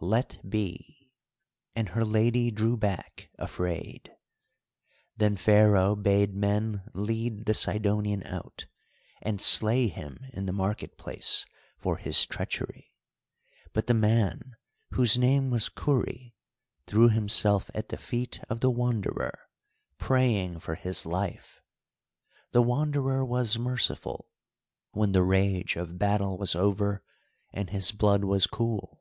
Let be!" and her lady drew back afraid. Then Pharaoh bade men lead the Sidonian out, and slay him in the market place for his treachery; but the man, whose name was Kurri, threw himself at the feet of the Wanderer, praying for his life. The Wanderer was merciful, when the rage of battle was over, and his blood was cool.